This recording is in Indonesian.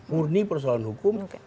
murni persoalan hukum